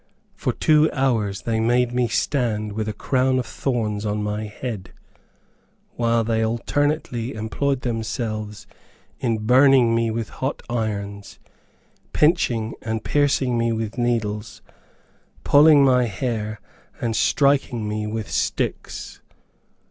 For two hours they made me stand with a crown of thorns on my head, while they alternately employed themselves in burning me with hot irons, pinching, and piercing me with needles, pulling my hair, and striking me with sticks.